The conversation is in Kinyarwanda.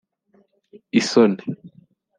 isoni